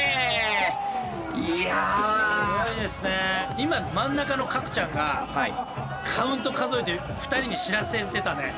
今真ん中のＫａｋｕちゃんがカウント数えて２人に知らせてたね。